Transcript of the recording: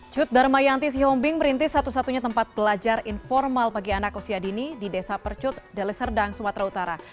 cut dharma yanti sihombing merintis satu satunya tempat belajar informal bagi anak usia dini di desa percut deliserdang sumatera utara